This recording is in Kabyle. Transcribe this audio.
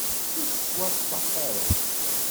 Ur tettwaḍḍaf ara.